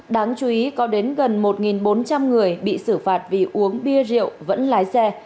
đáng chú ý có đến gần một bốn trăm linh người bị xử phạt vì uống bia rượu vẫn lái xe